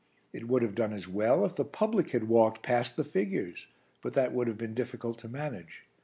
It would have done as well if the public had walked past the figures, but that would have been difficult to manage.